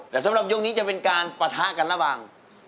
แล้วสำหรับโหวกนี้จะเป็นการปท้ากันระหว่าง